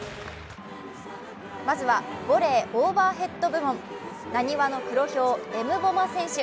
まずはボレー・オーバーヘッド部門浪速の黒豹、エムボマ選手。